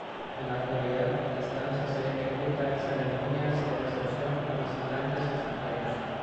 En la actualidad, esta danza se ejecuta en ceremonias de recepción a visitantes extranjeros.